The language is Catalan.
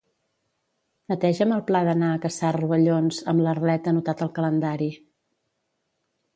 Neteja'm el pla d'anar a caçar rovellons amb l'Arlet anotat al calendari.